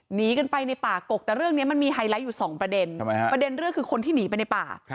หนีกันไปในป่ากกแต่เรื่องนี้มันมีไฮไลท์อยู่สองประเด็นประเด็นเรื่องคือคนที่หนีไปในป่า